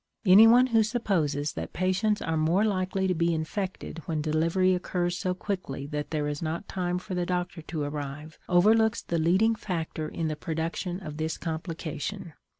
Anyone who supposes that patients are more likely to be infected when delivery occurs so quickly that there is not time for the doctor to arrive overlooks the leading factor in the production of this complication.